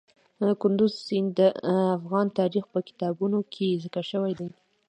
کندز سیند د افغان تاریخ په کتابونو کې ذکر شوی دی.